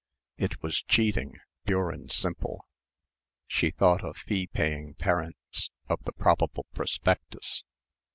It was cheating, pure and simple. She thought of fee paying parents, of the probable prospectus.